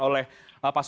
oke terima kasih